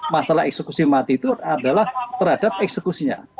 masalah eksekusi mati itu adalah terhadap eksekusinya